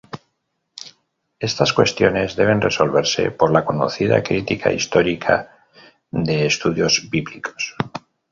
Estas cuestiones deben resolverse por la conocida Crítica histórica de estudios bíblicos.